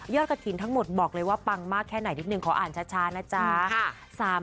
กระถิ่นทั้งหมดบอกเลยว่าปังมากแค่ไหนนิดนึงขออ่านช้านะจ๊ะ